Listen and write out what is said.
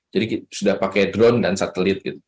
jadi sudah pakai drone dan satelit gitu